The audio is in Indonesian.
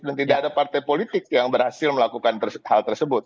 dan tidak ada partai politik yang berhasil melakukan hal tersebut